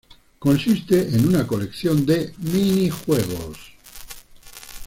Consiste en una colección de minijuegos.